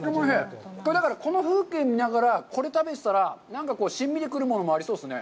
これだから、この風景を見ながらこれを食べてたら、なんかしんみり来るものもありそうですね。